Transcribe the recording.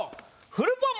フルポン